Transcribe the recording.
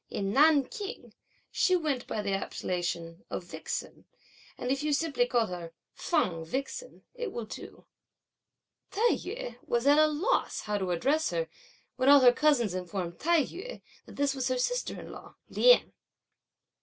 In Nanking, she went by the appellation of vixen, and if you simply call her Feng Vixen, it will do." Tai yü was just at a loss how to address her, when all her cousins informed Tai yü, that this was her sister in law Lien.